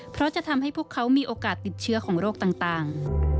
เพราะจะทำให้พวกเขามีโอกาสติดเชื้อของโรคต่าง